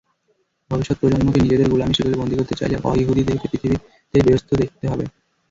ভবিষ্যৎ প্রজন্মকে নিজেদের গোলামীর শিকলে বন্দি করতে চাইলে অ-ইহুদীদেরকে পৃথিবীতেই বেহেশত দেখাতে হবে।